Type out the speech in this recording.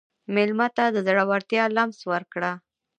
مېلمه ته د زړورتیا لمس ورکړه.